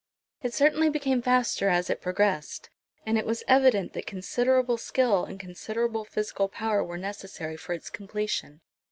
It certainly became faster as it progressed, and it was evident that considerable skill and considerable physical power were necessary for its completion.